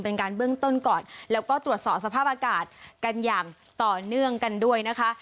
เป็นการเบื้องต้นก่อนแล้วก็ตรวจสอบสภาพอากาศกันอย่างต่อเนื่องกันด้วยนะคะ